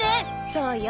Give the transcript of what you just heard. そうよ。